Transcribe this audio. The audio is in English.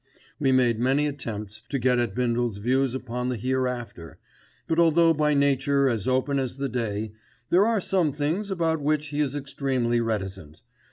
We made many attempts to get at Bindle's views upon the Hereafter: but although by nature as open as the day, there are some things about which he is extremely reticent.